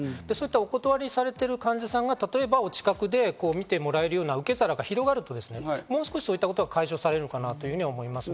お断りされている患者さんが例えば近くで診てもらえるような受け皿が広がると、もう少しそういったことは解消されるかなと思います。